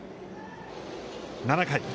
７回。